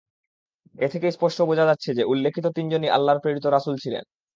এ থেকে স্পষ্ট বোঝা যাচ্ছে যে, উল্লেখিত তিনজনই আল্লাহর প্রেরিত রাসূল ছিলেন।